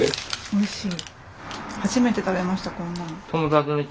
おいしい。